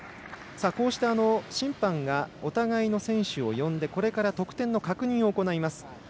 審判がお互いの選手を呼んでこれから得点の確認を行います。